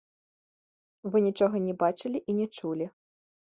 Вы нічога не бачылі і не чулі.